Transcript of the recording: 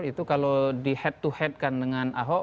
itu kalau di head to head kan dengan ahok